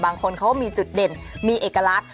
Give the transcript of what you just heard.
บางคนเขาก็มีจุดเด่นมีเอกลักษณ์